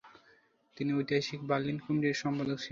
তিনি ঐতিহাসিক বার্লিন কমিটির সম্পাদক ছিলেন।